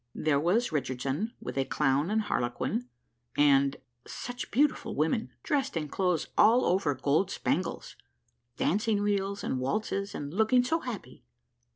There was Richardson, with a clown and harlequin, and such beautiful women, dressed in clothes all over gold spangles, dancing reels and waltzes, and looking so happy!